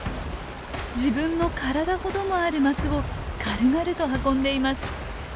自分の体ほどもあるマスを軽々と運んでいます。